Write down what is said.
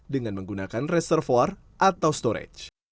dengan menggunakan reservoir atau storage